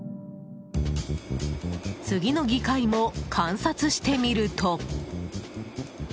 次の議会も観察してみると。